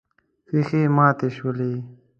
ښيښې ماتې شولې.